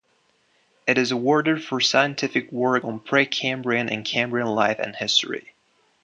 It is awarded for scientific work on pre-Cambrian and Cambrian life and history.